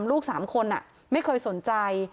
ลูก๓คนไม่เคยสนใจ